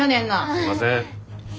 すいません。